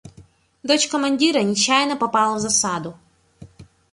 Дочь командира нечаянно попала в засаду.